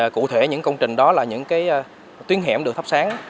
cụ thể những công trình đó là những tuyến hẻm được thắp sáng